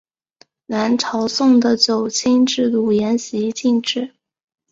南朝宋的九卿制度沿袭晋制。